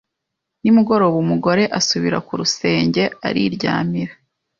Nimugoroba umugore asubira ku rusenge ariryamira